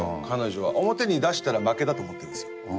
彼女は表に出したら負けだと思ってるんですよ